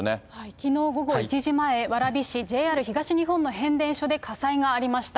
きのう午後１時前、蕨市ＪＲ東日本の変電所で火災がありました。